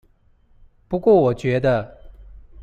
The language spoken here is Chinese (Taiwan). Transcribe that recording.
不過我覺得